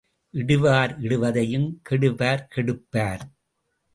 இடுவார் இடுவதையும் கெடுவார் கெடுப்பார்.